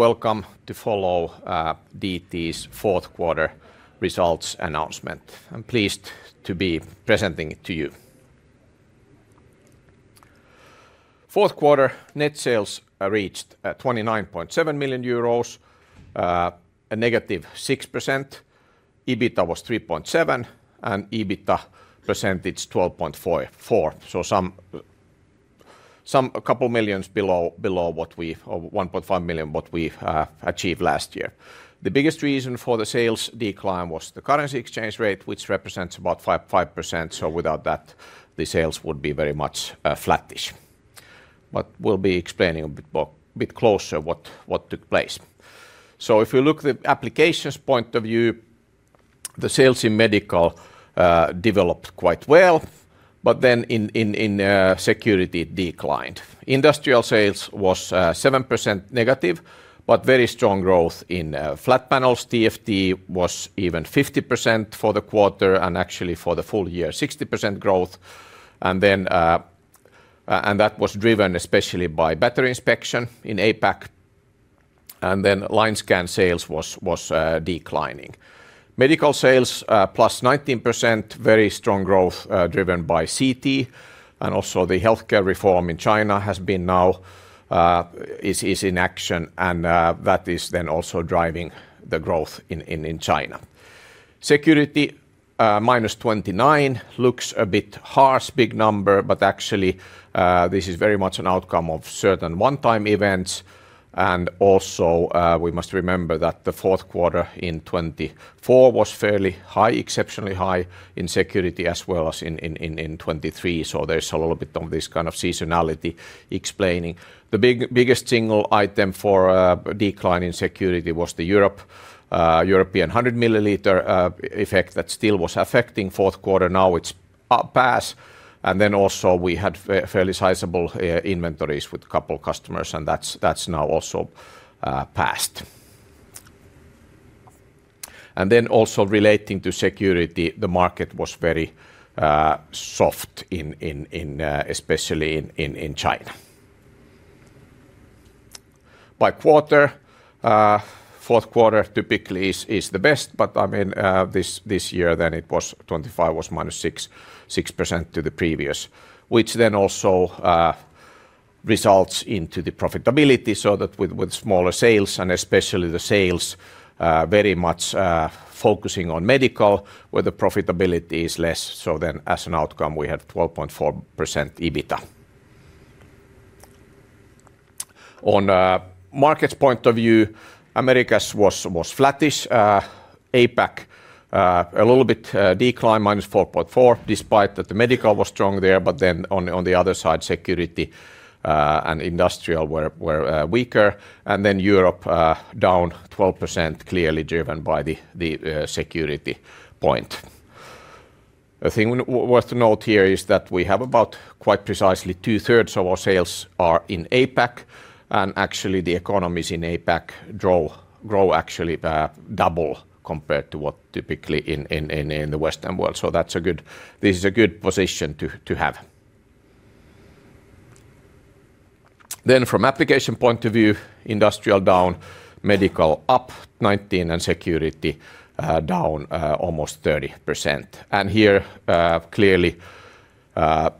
Welcome to follow, DT's fourth quarter results announcement. I'm pleased to be presenting it to you. Fourth quarter, net sales reached 29.7 million euros, a -6%. EBITDA was 3.7 million, and EBITDA percentage 12.4%. So a couple million EUR below what we've or 1.5 million, what we've achieved last year. The biggest reason for the sales decline was the currency exchange rate, which represents about 5%. So without that, the sales would be very much flattish. But we'll be explaining a bit more, a bit closer what took place. So if you look the applications point of view, the sales in medical developed quite well, but then in security declined. Industrial sales was 7% negative, but very strong growth in flat panels. TFT was even 50% for the quarter, and actually for the full year, 60% growth. And then that was driven especially by better inspection in APAC, and then line scan sales was declining. Medical sales plus 19%, very strong growth, driven by CT, and also the healthcare reform in China has been now is in action, and that is then also driving the growth in China. Security minus 29%, looks a bit harsh, big number, but actually this is very much an outcome of certain one-time events. And also we must remember that the fourth quarter in 2024 was fairly high, exceptionally high in security, as well as in 2023. So there's a little bit of this kind of seasonality explaining. The biggest single item for a decline in security was the European 100-milliliter effect that still was affecting fourth quarter. Now, it's passed, and then also we had fairly sizable inventories with a couple customers, and that's now also passed. And then also relating to security, the market was very soft, especially in China. By quarter, fourth quarter typically is the best, but, I mean, this year then it was 25, was minus 6.6% to the previous, which then also results into the profitability, so that with smaller sales, and especially the sales very much focusing on medical, where the profitability is less, so then as an outcome, we had 12.4% EBITDA. On a market point of view, Americas was flattish, APAC a little bit decline, minus 4.4%, despite that the medical was strong there, but then on the other side, security and industrial were weaker. And then Europe down 12%, clearly driven by the security point. The thing worth to note here is that we have about quite precisely two-thirds of our sales are in APAC, and actually, the economies in APAC grow actually double compared to what typically in the Western world. So that's a good. This is a good position to have. Then from application point of view, industrial down, medical up 19%, and security down almost 30%. And here clearly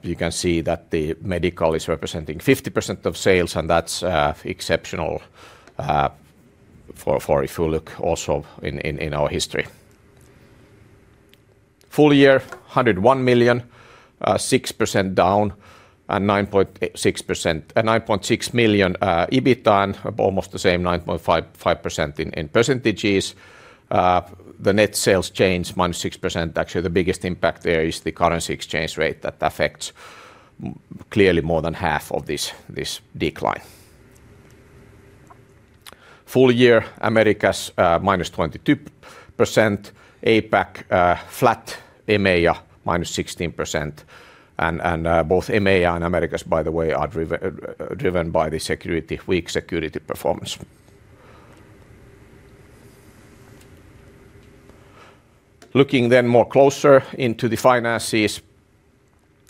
you can see that the medical is representing 50% of sales, and that's exceptional for if you look also in our history. Full year, 101 million, 6% down, and 9.86%, 9.6 million EBITDA, and almost the same, 9.55% in percentages. The net sales change -6%, actually, the biggest impact there is the currency exchange rate that affects clearly more than half of this decline. Full year, Americas -22%, APAC flat, EMEA -16%, and both EMEA and Americas, by the way, are driven by the security, weak security performance. Looking then more closer into the finances,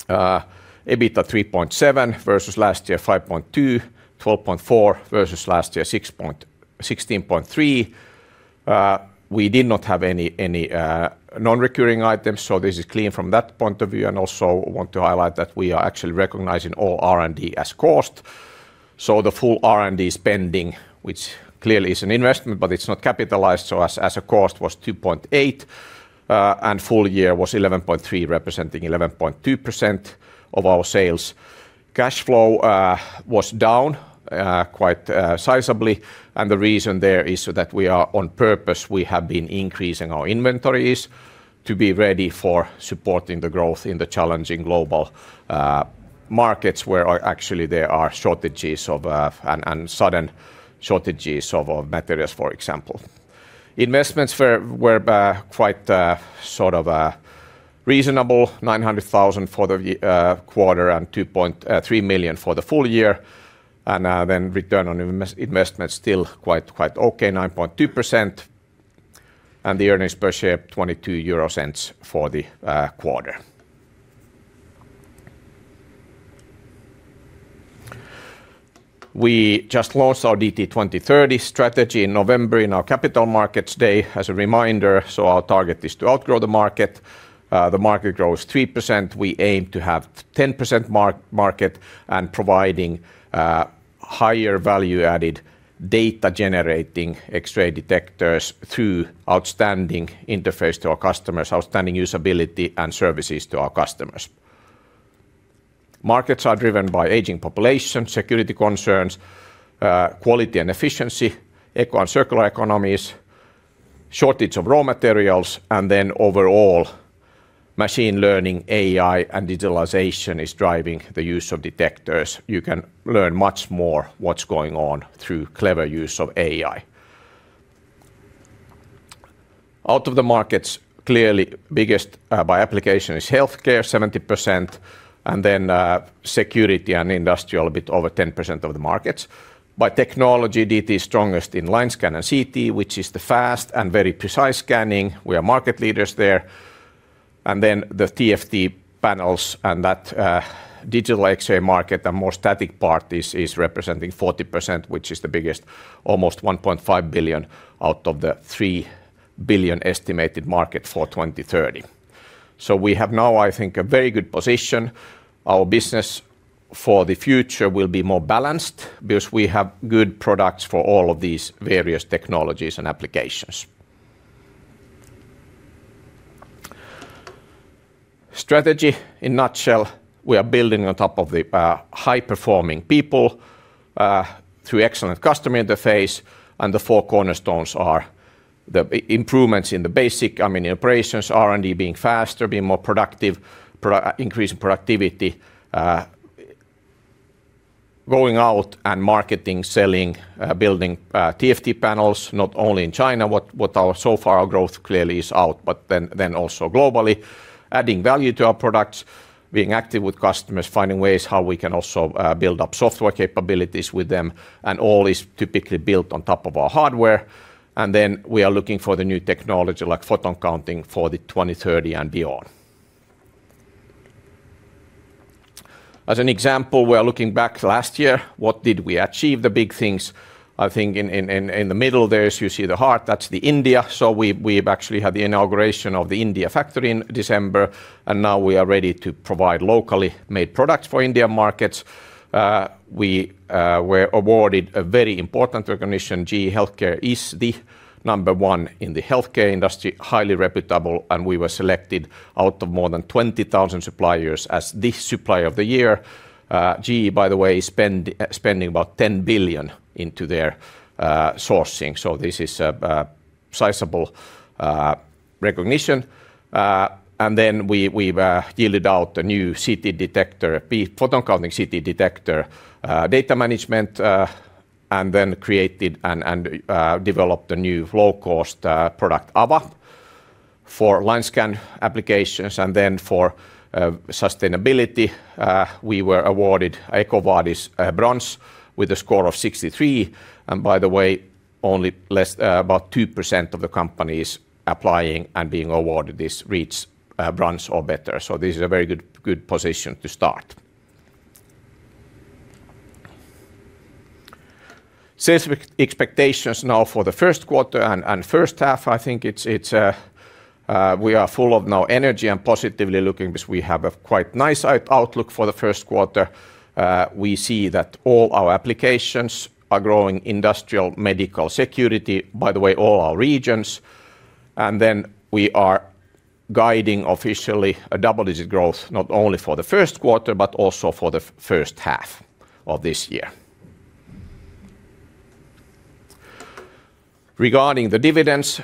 EBITDA 3.7 versus last year 5.2, 12.4 versus last year 16.3. We did not have any non-recurring items, so this is clear from that point of view, and also want to highlight that we are actually recognizing all R&D as cost. So the full R&D spending, which clearly is an investment, but it's not capitalized, so as a cost, was 2.8 million, and full year was 11.3 million, representing 11.2% of our sales. Cash flow was down quite sizably, and the reason there is so that we are on purpose, we have been increasing our inventories to be ready for supporting the growth in the challenging global markets, where actually there are shortages of and sudden shortages of materials, for example. Investments were quite sort of reasonable, 900,000 for the quarter, and 2.3 million for the full year. And then return on investment, still quite quite okay, 9.2%, and the earnings per share, 0.22 for the quarter. We just launched our DT 2030 strategy in November in our Capital Markets Day as a reminder. So our target is to outgrow the market. The market grows 3%, we aim to have 10% market, and providing higher value-added data-generating X-ray detectors through outstanding interface to our customers, outstanding usability and services to our customers. Markets are driven by aging population, security concerns, quality and efficiency, eco and circular economies, shortage of raw materials, and then overall, machine learning, AI, and digitalization is driving the use of detectors. You can learn much more what's going on through clever use of AI. Out of the markets, clearly biggest by application is healthcare, 70%, and then security and industrial, a bit over 10% of the markets. By technology, DT is strongest in line scan and CT, which is the fast and very precise scanning. We are market leaders there. And then the TFT panels and that, digital X-ray market, the more static part is representing 40%, which is the biggest, almost 1.5 billion out of the 3 billion estimated market for 2030. So we have now, I think, a very good position. Our business for the future will be more balanced because we have good products for all of these various technologies and applications. Strategy in a nutshell, we are building on top of the high-performing people through excellent customer interface, and the four cornerstones are the improvements in the basic, I mean, operations, R&D being faster, being more productive, increasing productivity, going out and marketing, selling, building TFT panels, not only in China, where so far our growth clearly is out, but then also globally. Adding value to our products, being active with customers, finding ways how we can also build up software capabilities with them, and all is typically built on top of our hardware. And then we are looking for the new technology, like photon counting, for the 2030 and beyond. As an example, we are looking back last year, what did we achieve? The big things, I think in the middle there, as you see the heart, that's the India. So we've actually had the inauguration of the India factory in December, and now we are ready to provide locally made products for India markets. We were awarded a very important recognition. GE HealthCare is the number one in the healthcare industry, highly reputable, and we were selected out of more than 20,000 suppliers as the Supplier of the Year. GE, by the way, spending about $10 billion into their sourcing, so this is a sizable recognition. And then we've yielded out a new CT detector, a photon counting CT detector, data management, and then created and developed a new low-cost product, Ava, for line scan applications. And then for sustainability, we were awarded EcoVadis bronze with a score of 63. And by the way, only less about 2% of the companies applying and being awarded this reach bronze or better. So this is a very good, good position to start. Sales expectations now for the first quarter and first half, I think it's we are full of now energy and positively looking because we have a quite nice outlook for the first quarter. We see that all our applications are growing: industrial, medical, security, by the way, all our regions. And then we are guiding officially a double-digit growth, not only for the first quarter, but also for the first half of this year. Regarding the dividends,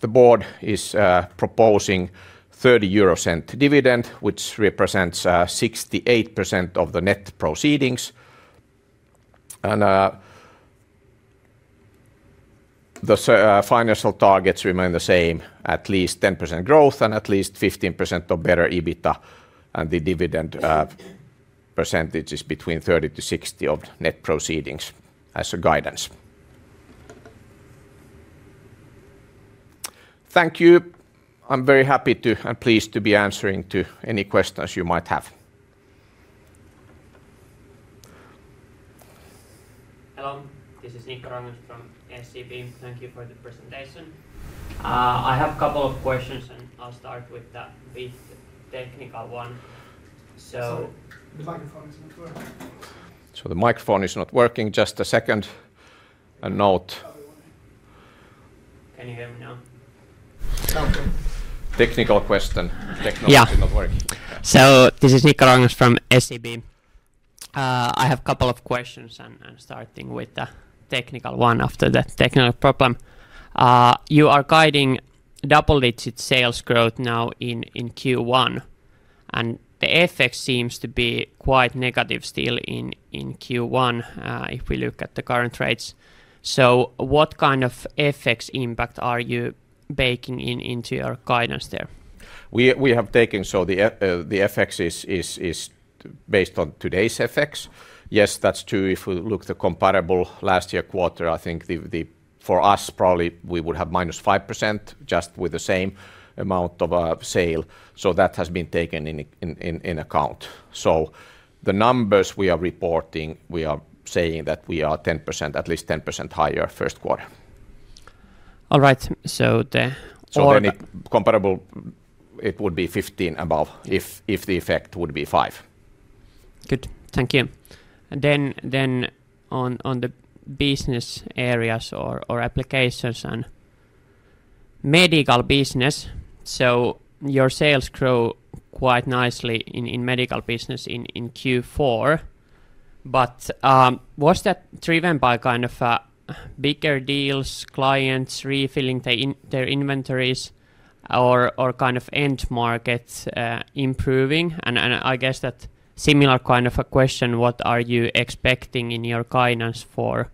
the board is proposing 0.30 dividend, which represents 68% of the net proceedings. The financial targets remain the same, at least 10% growth and at least 15% or better EBITDA, and the dividend percentage is between 30-60 of net proceedings as a guidance. Thank you. I'm very happy to and pleased to be answering to any questions you might have. Hello, this is Niko Railo from SEB. Thank you for the presentation. I have a couple of questions, and I'll start with the technical one. The microphone is not working. So the microphone is not working. Just a second. A note. Can you hear me now? It's okay. Technical question. Yeah. Technology not working. So this is Niko Railo from SEB. I have a couple of questions, and I'm starting with the technical one after the technical problem. You are guiding double-digit sales growth now in Q1, and the FX seems to be quite negative still in Q1, if we look at the current rates. So what kind of FX impact are you baking in into your guidance there? We have taken, so the FX is based on today's FX. Yes, that's true. If we look at the comparable last year quarter, I think for us, probably we would have -5%, just with the same amount of sale, so that has been taken into account. So the numbers we are reporting, we are saying that we are 10%, at least 10% higher first quarter. All right, so. So then comparable, it would be 15 above, if the effect would be five. Good. Thank you. Then on the business areas or applications and medical business, so your sales grow quite nicely in medical business in Q4. But was that driven by kind of bigger deals, clients refilling their inventories, or kind of end markets improving? And I guess that similar kind of a question, what are you expecting in your guidance for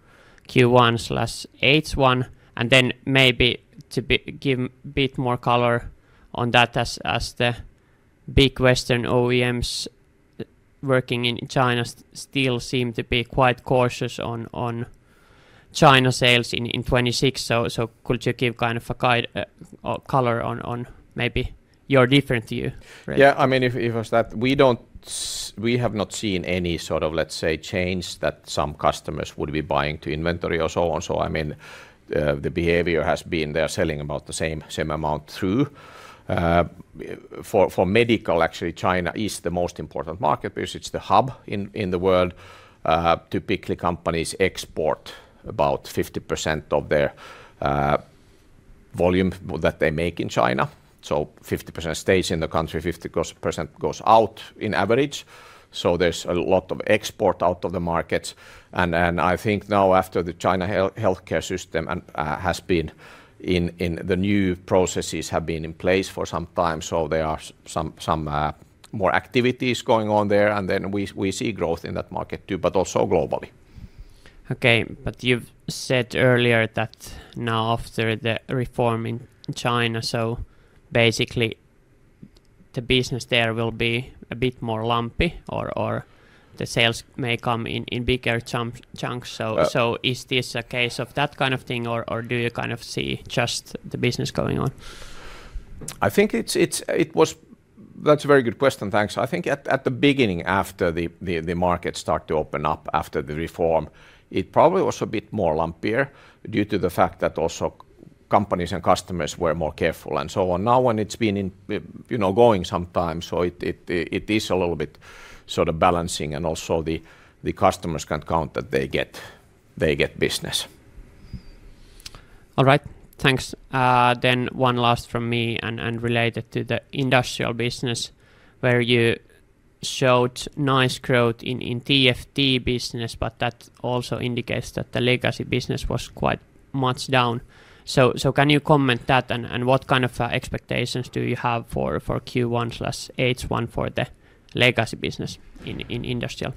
Q1/H1, and then maybe to give a bit more color on that as the big Western OEMs working in China still seem to be quite cautious on China sales in 2026. So could you give kind of a guidance or color on maybe your different view? Yeah, I mean, if it's that, we have not seen any sort of, let's say, change that some customers would be buying to inventory or so on. So I mean, the behavior has been they're selling about the same, same amount through. For medical, actually, China is the most important market because it's the hub in the world. Typically, companies export about 50% of their volume that they make in China. So 50% stays in the country, 50% goes out on average. So there's a lot of export out of the markets. And then, I think now after the China healthcare system and has been in. The new processes have been in place for some time, so there are some more activities going on there, and then we see growth in that market, too, but also globally. Okay, but you've said earlier that now after the reform in China, so basically, the business there will be a bit more lumpy or, or the sales may come in, in bigger chunk-chunks. So, is this a case of that kind of thing, or do you kind of see just the business going on? I think it was. That's a very good question. Thanks. I think at the beginning, after the market start to open up after the reform, it probably was a bit more lumpier due to the fact that also companies and customers were more careful, and so on. Now, when it's been in, you know, going sometime, so it is a little bit sort of balancing and also the customers can count that they get business. All right. Thanks. Then one last from me, and related to the industrial business, where you showed nice growth in TFT business, but that also indicates that the legacy business was quite much down. So, can you comment that, and what kind of expectations do you have for Q1/H1 for the legacy business in industrial?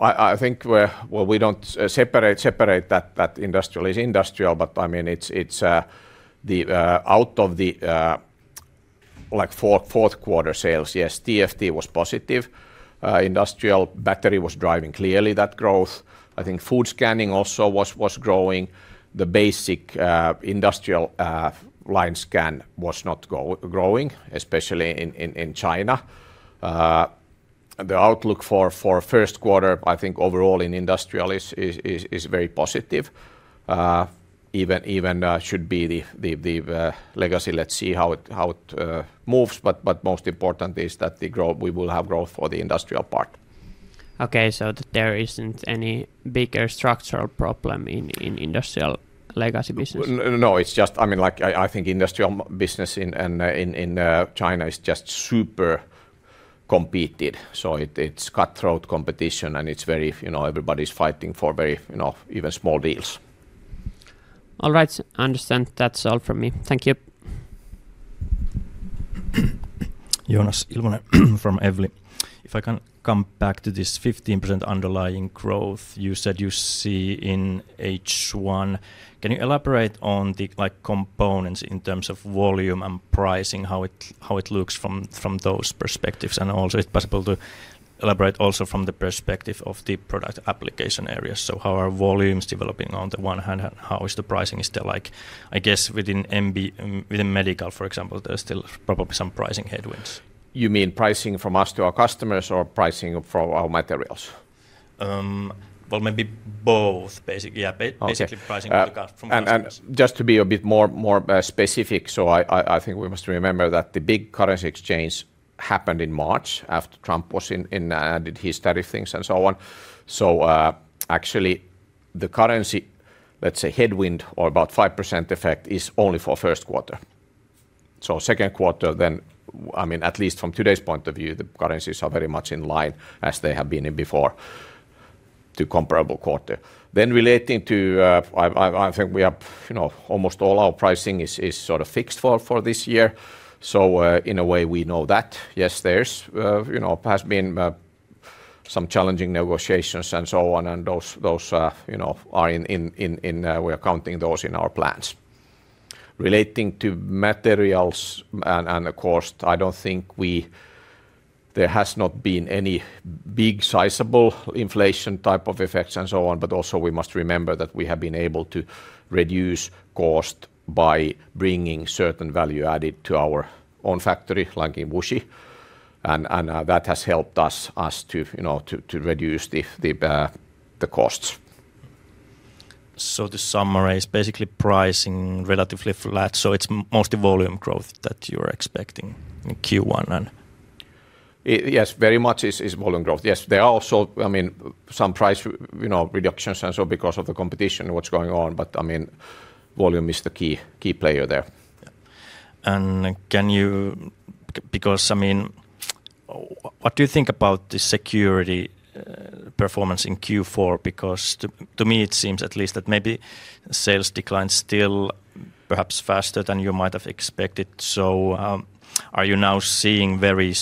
I think we're. Well, we don't separate that. That industrial is industrial, but, I mean, it's the out of the like fourth quarter sales, yes, TFT was positive. Industrial battery was driving clearly that growth. I think food scanning also was growing. The basic industrial line scan was not growing, especially in China. The outlook for first quarter, I think overall in industrial is very positive. Even should be the legacy. Let's see how it moves, but most important is that the growth we will have growth for the industrial part. Okay, so there isn't any bigger structural problem in industrial legacy business? No, it's just. I mean, like, I think industrial business in China is just super competitive. So it's cutthroat competition, and it's very, you know, everybody's fighting for very, you know, even small deals. All right. I understand. That's all from me. Thank you. Joonas Ilvonen from Evli. If I can come back to this 15% underlying growth you said you see in H1, can you elaborate on the, like, components in terms of volume and pricing, how it looks from, from those perspectives? And also, if possible, to elaborate also from the perspective of the product application areas. So how are volumes developing on the one hand, and how is the pricing still like? I guess within MB, within medical, for example, there are still probably some pricing headwinds. You mean pricing from us to our customers or pricing from our materials? Well, maybe both, basically. Yeah- Okay Basically, pricing from customers. Just to be a bit more specific, I think we must remember that the big currency exchange happened in March, after Trump was in, did his tariff things and so on. Actually, the currency, let's say, headwind or about 5% effect, is only for first quarter. Second quarter, then, I mean, at least from today's point of view, the currencies are very much in line as they have been in before, to comparable quarter. Then relating to, I think we have, you know, almost all our pricing is sort of fixed for this year, so in a way, we know that. Yes, there's, you know, has been some challenging negotiations and so on, and those, you know, are in. We are counting those in our plans relating to materials and, of course, I don't think there has not been any big sizable inflation type of effects and so on, but also we must remember that we have been able to reduce cost by bringing certain value added to our own factory, like in Wuxi, and that has helped us to, you know, to reduce the costs. So to summarize, basically pricing relatively flat, so it's mostly volume growth that you're expecting in Q1, and- Yes, very much is, is volume growth. Yes, there are also, I mean, some price, you know, reductions and so because of the competition, what's going on, but, I mean, volume is the key, key player there. Because, I mean, what do you think about the security performance in Q4? Because to me, it seems at least that maybe sales decline still perhaps faster than you might have expected. So, are you now seeing very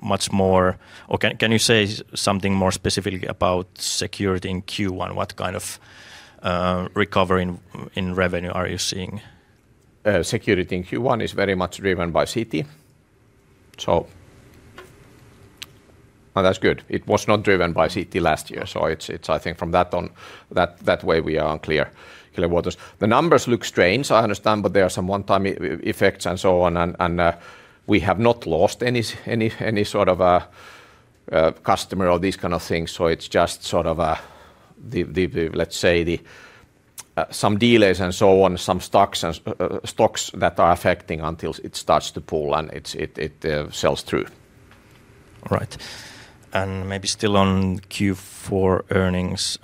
much more. Or can you say something more specifically about security in Q1? What kind of recovery in revenue are you seeing? Security in Q1 is very much driven by CT. So, well, that's good. It was not driven by CT last year, so it's, I think from that on, that way we are on clear waters. The numbers look strange, I understand, but there are some one-time effects and so on, and we have not lost any sort of a customer or these kind of things, so it's just sort of, let's say, some delays and so on, some stocks and stocks that are affecting until it starts to pull and it sells through. Right. And maybe still on Q4 earnings,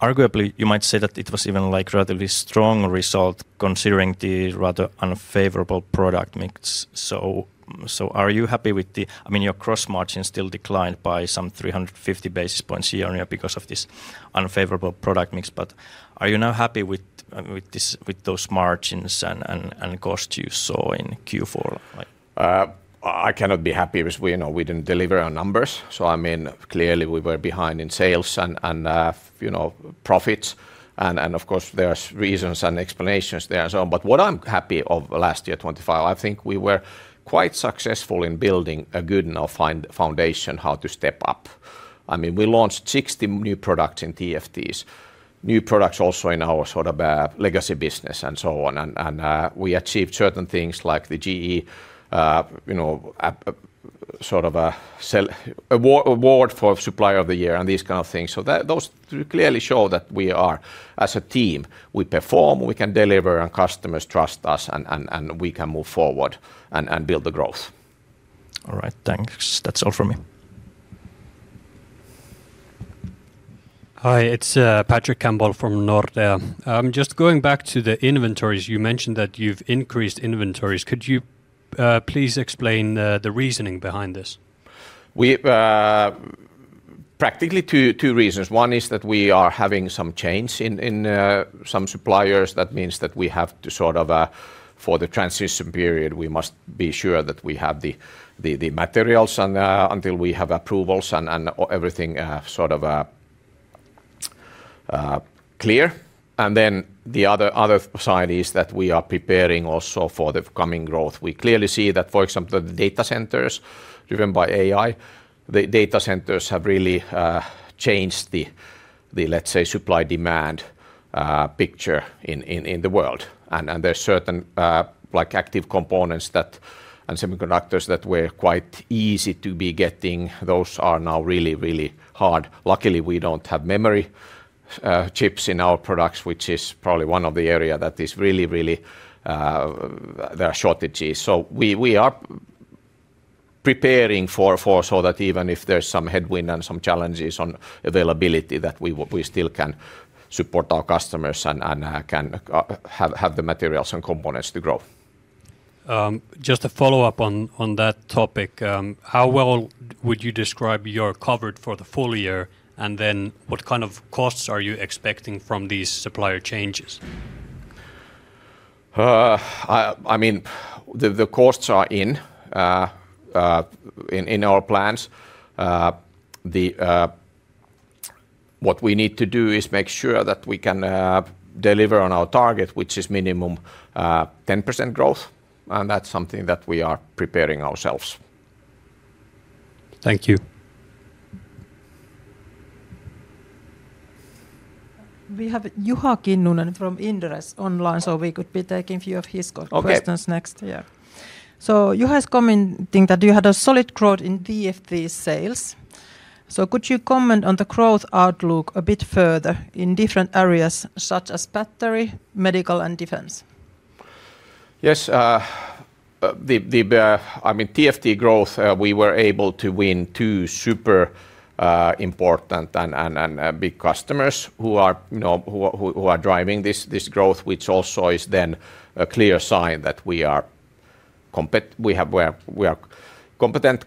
arguably, you might say that it was even relatively strong result, considering the rather unfavorable product mix. So are you happy with the. I mean, your gross margins still declined by some 350 basis points year-on-year because of this unfavorable product mix, but are you now happy with this with those margins and costs you saw in Q4? I cannot be happy because we, you know, we didn't deliver our numbers. So I mean, clearly we were behind in sales and you know, profits, and of course, there's reasons and explanations there and so on. But what I'm happy of last year, 2025, I think we were quite successful in building a good enough foundation how to step up. I mean, we launched 60 new products in TFTs, new products also in our sort of legacy business and so on. We achieved certain things like the GE, you know, sort of, an award for Supplier of the Year and these kind of things. So those clearly show that we are, as a team, we perform, we can deliver, and customers trust us, and we can move forward and build the growth. All right. Thanks. That's all from me. Hi, it's Patrick Campbell from Nordea. Just going back to the inventories, you mentioned that you've increased inventories. Could you please explain the reasoning behind this? We practically have two reasons. One is that we are having some change in some suppliers. That means that we have to sort of for the transition period, we must be sure that we have the materials, and until we have approvals and everything sort of clear. And then the other side is that we are preparing also for the coming growth. We clearly see that, for example, the data centers, driven by AI, the data centers have really changed the, let's say, supply-demand picture in the world. And there are certain like active components and semiconductors that were quite easy to be getting, those are now really hard. Luckily, we don't have memory chips in our products, which is probably one of the area that is really, really there are shortages. So we are preparing for so that even if there's some headwind and some challenges on availability, that we still can support our customers and can have the materials and components to grow. Just a follow-up on that topic. How well would you describe you're covered for the full year, and then what kind of costs are you expecting from these supplier changes? I mean, the costs are in our plans. What we need to do is make sure that we can deliver on our target, which is minimum 10% growth, and that's something that we are preparing ourselves. Thank you. We have Juha Kinnunen from Inderes online, so we could be taking a few of his questions. Okay Next. Yeah. So Juha is commenting that you had a solid growth in TFT sales. So could you comment on the growth outlook a bit further in different areas, such as battery, medical, and defense? Yes, I mean, TFT growth, we were able to win two super important and big customers who are, you know, driving this growth, which also is then a clear sign that we are competent,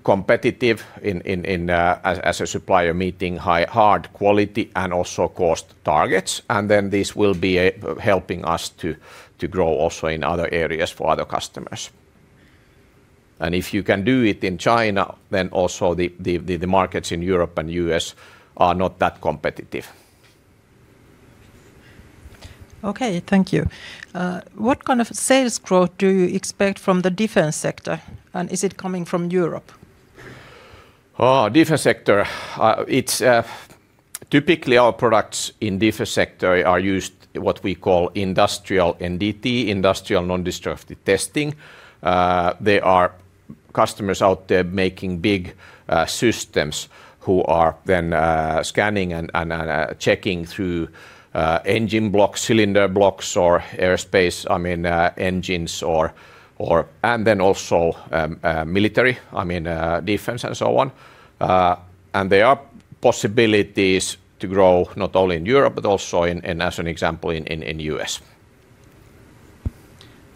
competitive in as a supplier, meeting high hard quality and also cost targets, and then this will be helping us to grow also in other areas for other customers. and if you can do it in China, then also the markets in Europe and U.S. are not that competitive. Okay, thank you. What kind of sales growth do you expect from the defense sector, and is it coming from Europe? Oh, defense sector, it's typically our products in defense sector are used what we call industrial NDT, industrial non-destructive testing. There are customers out there making big systems, who are then scanning and checking through engine blocks, cylinder blocks, or aerospace, I mean, engines or, or. And then also military, I mean, defense and so on. And there are possibilities to grow not only in Europe, but also in, as an example, in US.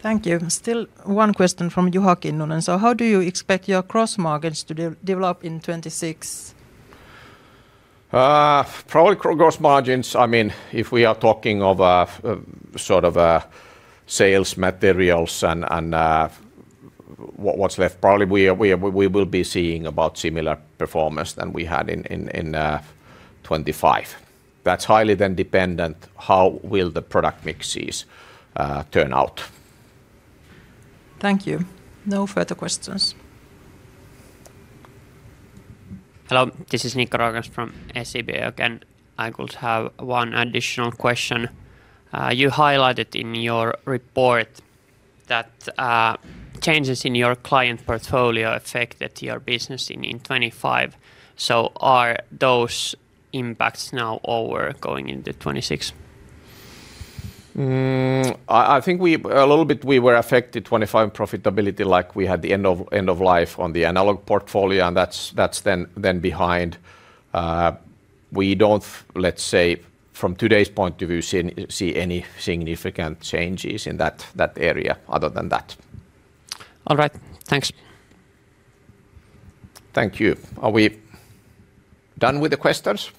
Thank you. Still one question from Juha Kinnunen. So how do you expect your gross margins to develop in 2026? Probably gross margins, I mean, if we are talking of sort of sales materials and what's left, probably we will be seeing about similar performance than we had in 2025. That's highly then dependent how will the product mixes turn out. Thank you. No further questions. Hello, this is Niko Railo from SEB, and I could have one additional question. You highlighted in your report that, changes in your client portfolio affected your business in 2025. So are those impacts now over going into 2026? I think a little bit we were affected 2025 profitability, like we had the end of life on the analog portfolio, and that's then behind. We don't, let's say, from today's point of view, see any significant changes in that area other than that. All right, thanks. Thank you. Are we done with the questions?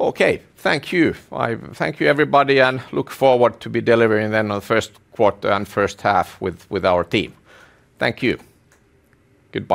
Okay, thank you. I thank you, everybody, and look forward to be delivering then on the first quarter and first half with our team. Thank you. Goodbye.